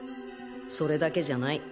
それだけじゃない。